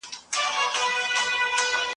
شکر دی چې ما لږ تر لږه پښتو لیکل زده کړل.